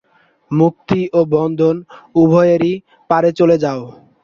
মুক্তি ও বন্ধন উভয়েরই পারে চলে যাও।